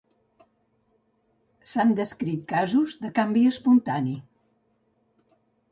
S'han descrit casos de canvi espontani.